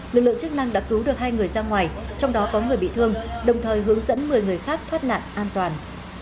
lực lượng chức năng đã cứu được hai người ra ngoài trong đó có người bị thương đồng thời hướng dẫn một mươi người khác thoát nạn an toàn